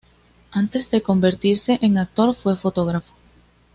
Antes de convertirse en actor fue fotógrafo.